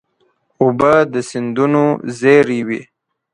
اوبه د سیندونو زېری وي.